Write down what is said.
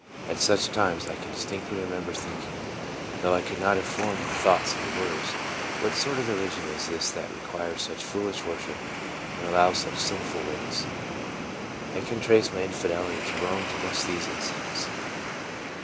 At such times I can distinctly remember thinking, though I could not have formed the thought into words., " What sort of reli gion is this that requires such foolish wor ship, and allows such sinful ways ?" I can trace my infidelity to Rome to just these in cidents.